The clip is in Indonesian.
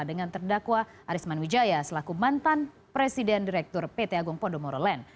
dengan terdakwa arisman wijaya selaku mantan presiden direktur pt agung podomoro land